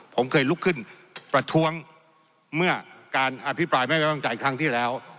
ผมเคยลุกขึ้นประท้วงเมื่อการอภิปรายไม่ไว้วางใจครั้งที่แล้ว